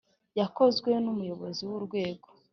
Yakozwe n umuyobozi w urwego